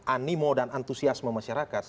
animo dan antusiasme masyarakat